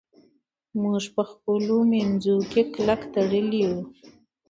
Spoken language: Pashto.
موږ په خپلو منځونو کې کلک تړلي یو.